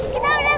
kita udah sampai